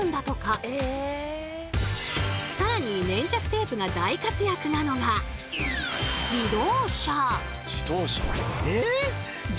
更に粘着テープが大活躍なのが自動車。